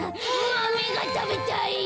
マメがたべたい。